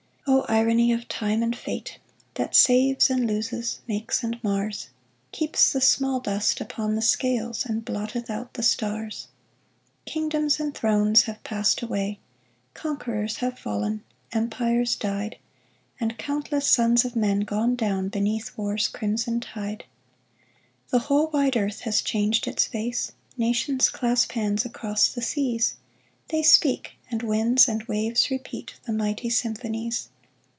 O irony of Time and Fate ! That saves and loses, makes and mars, Keeps the small dust upon the scales, And blotteth out the stars ! Kingdoms and thrones have passed away ; Conquerors have fallen, empires died, And countless sons of men gone down Beneath War's crimson tide. The whole wide earth has changed its face ; Nations clasp hands across the seas ; They speak, and winds and waves repeat The mighty symphonies.